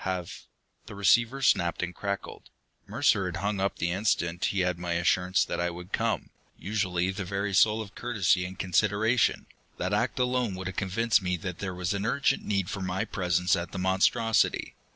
"Have " The receiver snapped and crackled; Mercer had hung up the instant he had my assurance that I would come. Usually the very soul of courtesy and consideration, that act alone would have convinced me that there was an urgent need for my presence at The Monstrosity.